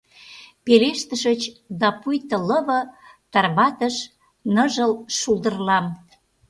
Пелештышыч, да пуйто лыве тарватыш ныжыл шулдырлам.